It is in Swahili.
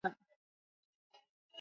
namna ya kusindika unga wa viazi lishe